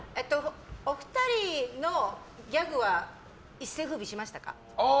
お二人のギャグは一世を風靡しましたか？